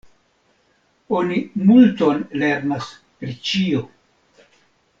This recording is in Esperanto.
Oni multon lernas pri ĉio.